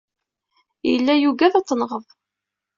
Yella yugad ad t-tenɣeḍ.